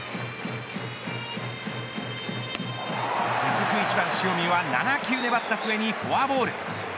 続く１番、塩見は７球粘った末にフォアボール。